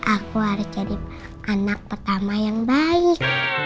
aku harus jadi anak pertama yang baik